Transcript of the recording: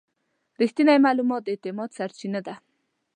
رښتینی معلومات د اعتماد سرچینه ده.